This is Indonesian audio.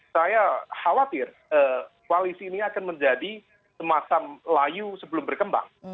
saya khawatir koalisi ini akan menjadi semacam layu sebelum berkembang